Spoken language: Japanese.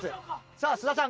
さあ菅田さん